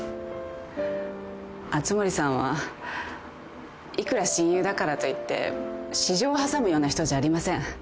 熱護さんはいくら親友だからといって私情を挟むような人じゃありません。